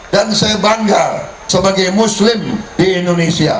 dan saya bangga sebagai muslim di indonesia